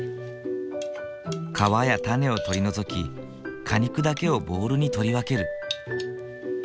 皮や種を取り除き果肉だけをボウルに取り分ける。